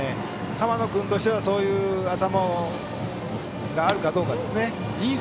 濱野君としてはそういう頭があるかどうかですね。